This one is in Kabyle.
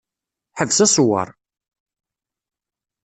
Ḥbes aṣewwer!